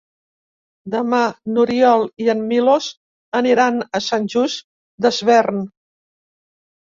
Demà n'Oriol i en Milos aniran a Sant Just Desvern.